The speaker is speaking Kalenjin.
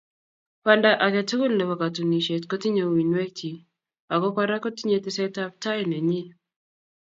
banda age tugul nebo katunisieet kotinyei uinweekchii, ago kora kotinyei tesetab taai nenyii